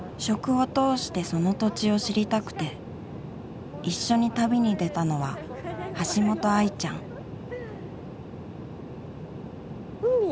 食を通してその土地を知りたくて一緒に旅に出たのは橋本愛ちゃん海。